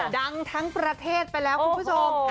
ดังทั้งประเทศไปแล้วคุณผู้ชม